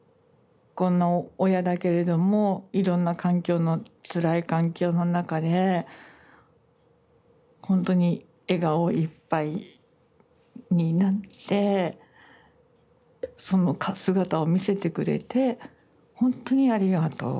こんな親だけれどもいろんな環境のつらい環境の中でほんとに笑顔いっぱいになってその姿を見せてくれてほんとにありがとう。